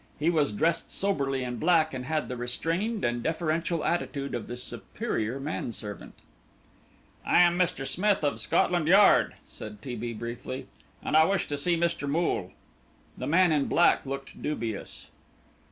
He was dressed soberly in black, and had the restrained and deferential attitude of the superior man servant. "I am Mr. Smith, of Scotland Yard," said T. B. briefly, "and I wish to see Mr. Moole." The man in black looked dubious.